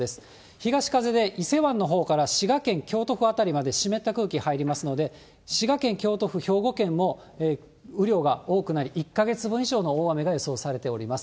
東風で伊勢湾のほうから滋賀県、京都府辺りまで湿った空気入りますので、滋賀県、京都府、兵庫県も雨量が多くなり、１か月分以上の大雨が予想されております。